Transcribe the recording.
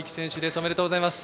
おめでとうございます。